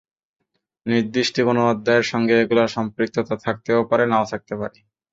নির্দিষ্ট কোনো অধ্যায়ের সঙ্গে এগুলোর সম্পৃক্ততা থাকতেও পারে নাও থাকতে পারে।